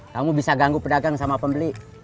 kamu bisa ganggu pedagang sama pembeli